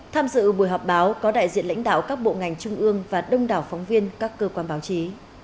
tham dự buổi họp báo có đại diện lãnh đạo các bộ ngành trung ương và đông đảo phóng viên các cơ quan báo chí